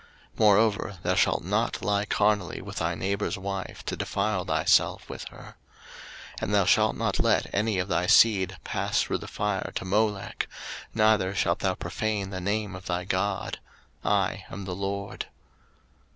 03:018:020 Moreover thou shalt not lie carnally with thy neighbour's wife, to defile thyself with her. 03:018:021 And thou shalt not let any of thy seed pass through the fire to Molech, neither shalt thou profane the name of thy God: I am the LORD.